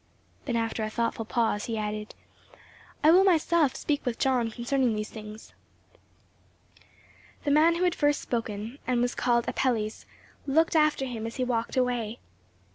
Then after a thoughtful pause he added, "I will myself speak with John concerning these things." The man who had first spoken, and who was called Apelles, looked after him as he walked away.